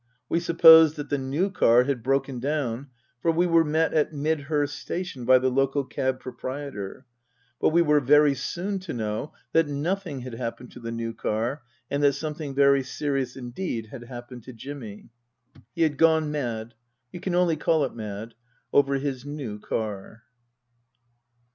We supposed that the new car had broken down, for we were met at Midhurst station by the local cab proprietor. But we were very soon to know that nothing had happened to the new car, and that something very serious indeed had happened to Jimmy. He had gone mad you can only call it mad over his new car.